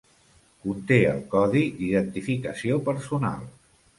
Conté el codi d'identificació personal.